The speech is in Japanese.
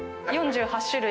４８種類。